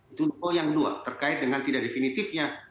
itu loopholes yang kedua terkait dengan tidak definitifnya